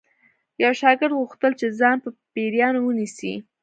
یو شاګرد غوښتل چې ځان په پیریانو ونیسي